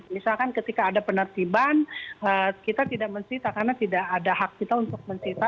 misalkan ketika ada penertiban kita tidak mencerita karena tidak ada hak kita untuk mencerita